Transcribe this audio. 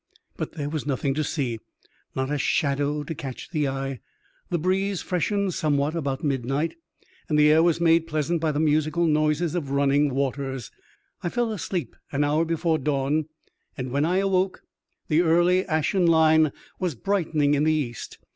But there was nothing to see, not a shadow to catch the eye. The breeze freshened somewhat about midnight, and the air was made pleasant by the musical noises of running 40 EXTSAOUDINJMY ADVENTURE OF A CHIEF MATE, waters. I fell asleep an hour before dawn, and when I awoke, the early ashen line was brightening in the east.